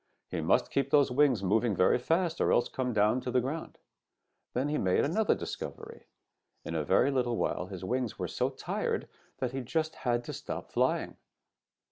He must keep those wings moving very fast or else come down to the ground. Then he made another discovery. In a very little while his wings were so tired that he just had to stop flying.